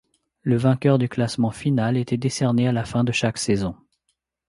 Le vainqueur du classement final était décerné à la fin de chaque saison.